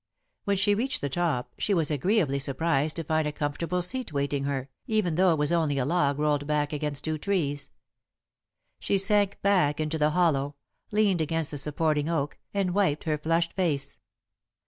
When she reached the top, she was agreeably surprised to find a comfortable seat waiting her, even though it was only a log rolled back against two trees. She sank back into the hollow, leaned against the supporting oak, and wiped her flushed face.